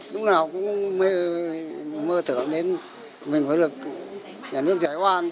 lúc nào cũng mơ tưởng đến mình mới được nhà nước giải oan